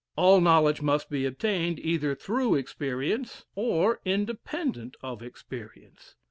All knowledge must be obtained either through experience or independent of experience.